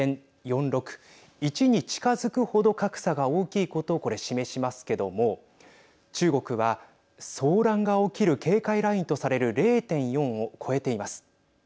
１に近づく程格差が大きいことをこれ示しますけれども中国は、騒乱が起きる警戒ラインとされる０．４を超えています。